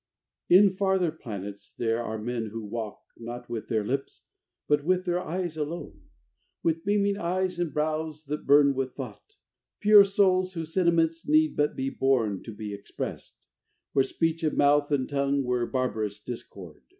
VI In farther planets there are men who talk, Not with their lips, but with their eyes alone, With beaming eyes and brows that burn with thought: Pure souls whose sentiments need but be born To be expressed. Where speech of mouth and tongue Were barbarous discord.